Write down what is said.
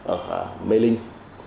ở mê linh